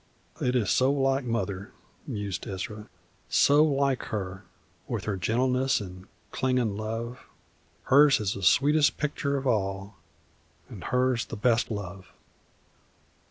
"It is so like Mother," mused Ezra; "so like her with her gentleness an' clingin' love. Hers is the sweetest picture of all, and hers the best love."